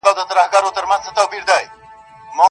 • ستا څخه ډېر تـنگ.